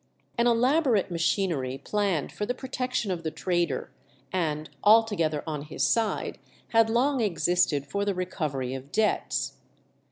An elaborate machinery planned for the protection of the trader, and altogether on his side, had long existed for the recovery of debts.